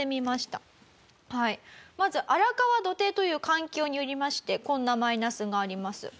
まず荒川土手という環境によりましてこんなマイナスがあります。